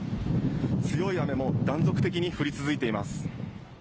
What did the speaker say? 強い雨も断続的に降り続いています。